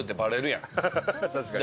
確かに。